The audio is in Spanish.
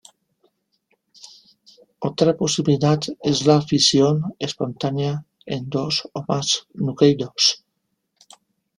Otra posibilidad es la fisión espontánea en dos o más nucleidos.